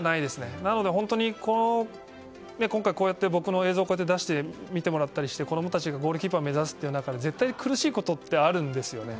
なので今回こうやって僕の映像を出して見てもらったりして子供たちがゴールキーパーを目指す中で絶対に苦しいことってあるんですね。